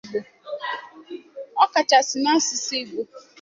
ọkachasị n'asụsụ Igbo.